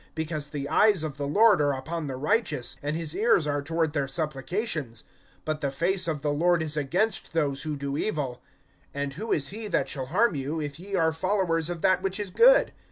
(12)Because the eyes of the Lord are upon the righteous, and his ears are toward their supplications; but the face of the Lord is against those who do evil. (13)And who is he that shall harm you, if ye are followers of that which is good?